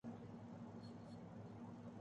یہاں کنفیوژن کی ماری حکمرانی کی قطعا گنجائش نہیں۔